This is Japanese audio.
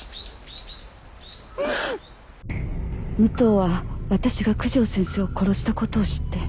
武藤は私が九条先生を殺したことを知って。